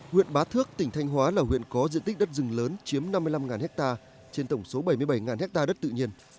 huyện bá thước tỉnh thanh hóa là huyện có diện tích đất rừng lớn chiếm năm mươi năm ha trên tổng số bảy mươi bảy ha đất tự nhiên